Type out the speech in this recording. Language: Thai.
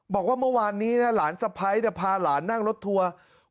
บอกว่าเมื่อวานนี้นะหลานสะพ้ายพาหลานนั่งรถทัวร์